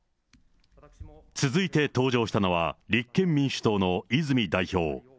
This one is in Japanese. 続いて登場したのは、立憲民主党の泉代表。